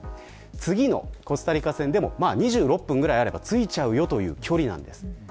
次のコスタリカ戦でも２６分あればついちゃうよという距離です。